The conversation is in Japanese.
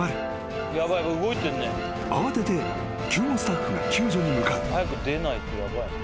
［慌てて救護スタッフが救助に向かう］